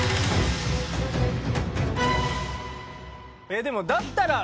えっでもだったら。